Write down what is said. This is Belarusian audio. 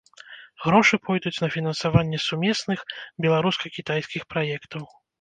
Грошы пойдуць на фінансаванне сумесных беларуска-кітайскіх праектаў.